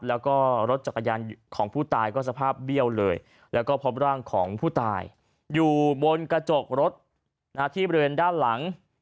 แล้วก็รถจักรยานของผู้ตายก็สภาพเบี้ยวเลยแล้วก็พบร่างของผู้ตายอยู่บนกระจกรถที่บริเวณด้านหลัง